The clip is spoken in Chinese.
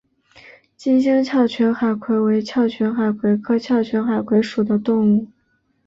金星鞘群海葵为鞘群海葵科鞘群海葵属的动物。